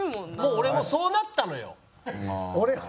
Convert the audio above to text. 俺もそうなったのよ。